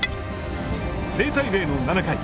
０対０の７回。